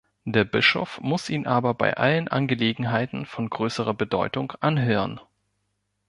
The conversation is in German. Der Bischof muss ihn aber bei allen Angelegenheiten von größerer Bedeutung anhören.